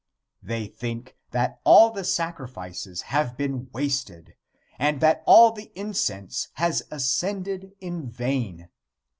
They think that all the sacrifices have been wasted, and that all the incense has ascended in vain.